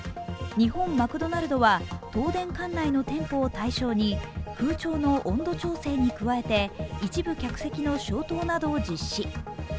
日本マクドナルドは東電管内の店舗を対象に空調の温度調整に加えて、一部客席の消灯などを実施。